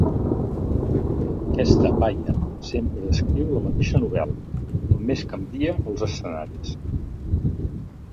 Però aquesta paia sempre escriu la mateixa novel·la, només canvia els escenaris.